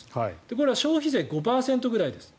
これは消費税５％ぐらいですと。